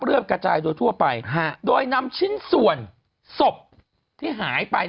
เลือดกระจายจุดทั่วไปฮะโดยนำชิ้นส่วนศพที่หายไป